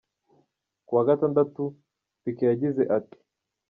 Ku wa gatandatu, Piqué yagize ati:.